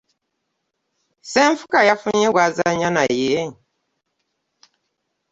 Ssenfuka yafunye gw'azannya naye?